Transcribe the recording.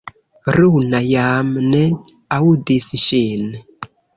Runa jam ne aŭdis ŝin.